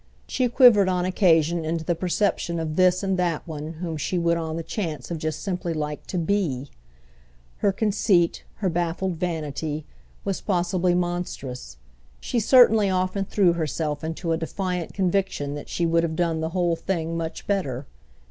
She quivered on occasion into the perception of this and that one whom she would on the chance have just simply liked to be. Her conceit, her baffled vanity, was possibly monstrous; she certainly often threw herself into a defiant conviction that she would have done the whole thing much better.